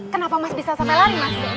kenapa mas bisa sampai lari mas